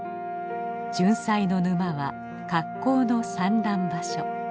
ジュンサイの沼は格好の産卵場所。